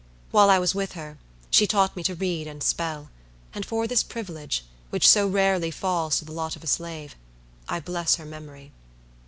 While I was with her, she taught me to read and spell; and for this privilege, which so rarely falls to the lot of a slave, I bless her memory.